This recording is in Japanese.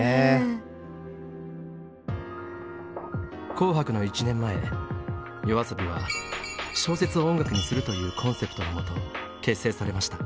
「紅白」の１年前ＹＯＡＳＯＢＩは「小説を音楽にする」というコンセプトのもと結成されました。